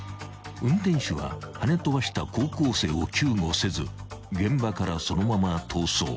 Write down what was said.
［運転手ははね飛ばした高校生を救護せず現場からそのまま逃走］